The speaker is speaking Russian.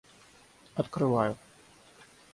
Открываю